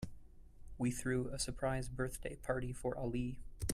We threw a surprise birthday party for Ali.